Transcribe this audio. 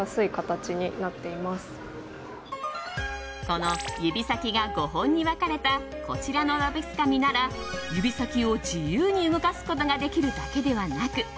この指先が５本に分かれたこちらの鍋つかみなら指先を自由に動かすことができるだけではなく